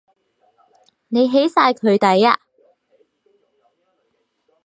你起晒佢底呀？